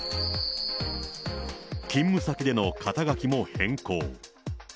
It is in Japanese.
勤務先での肩書も変更。